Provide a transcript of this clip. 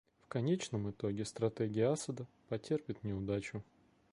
В конечном итоге стратегия Асада потерпит неудачу.